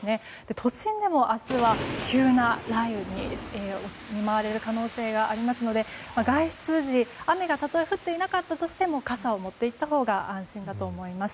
都心でも明日は、急な雷雨に見舞われる可能性がありますので外出時雨が降っていなかったとしても傘を持って行ったほうが安心だと思います。